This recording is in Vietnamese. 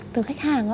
từ khách hàng á